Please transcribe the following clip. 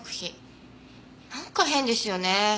なんか変ですよねえ。